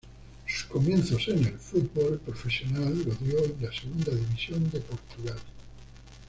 Sus comienzos en el fútbol profesional lo dio en la Segunda División de Portugal.